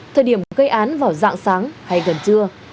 thời điểm gây án vào dạng sáng hay gần trưa